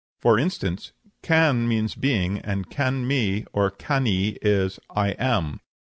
For instance, can means being, and Can mi, or Cani, is 'I am.'